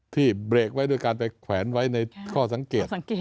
เบรกไว้ด้วยการไปแขวนไว้ในข้อสังเกต